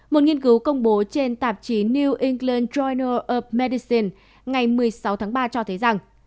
một nghiên cứu công bố trên tạp chí new england journal of medicine ngày một mươi sáu tháng ba cho thấy rằng